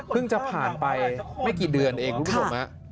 เพิ่งจะผ่านไปไม่กี่เดือนเองรู้สึกมั้ย